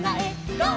ゴー！」